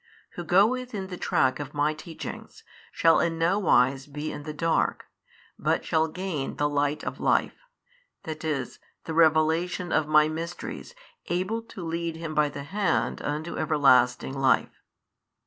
who goeth in the track of My teachings, shall in no wise be in the dark, but shall gain the light of life, that is, the revelation of My mysteries able to lead him by the hand unto everlasting life.